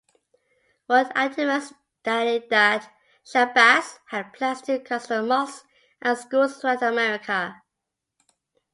One activist stated that Shabazz had plans to construct mosques and schools throughout America.